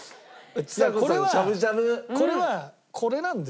これはこれなんですよ。